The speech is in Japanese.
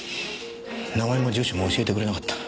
名前も住所も教えてくれなかった。